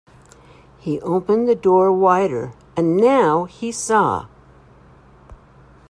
He opened the door wider, and now he saw.